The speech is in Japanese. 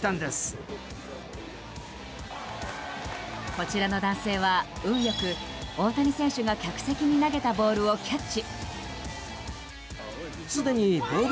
こちらの男性は運良く大谷選手が客席に投げたボールをキャッチ。